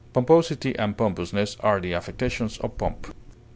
Pomposity and pompousness are the affectation of pomp.